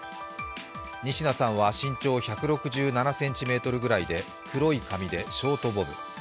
仁科さんは身長１６８ｃｍぐらいで黒い髪のショートボブ。